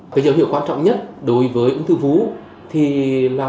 cái dấu hiệu quan trọng nhất đối với ung thư vú thì là